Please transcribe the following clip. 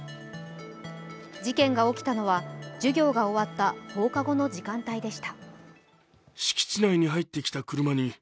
事件が起きたのは授業が終わった放課後の時間帯でした。